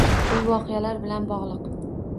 U voqealar bilan bog‘liq.